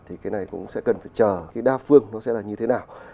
thì cái này cũng sẽ cần phải chờ cái đa phương nó sẽ là như thế nào